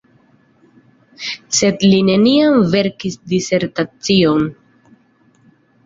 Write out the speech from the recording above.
Sed li neniam verkis disertacion.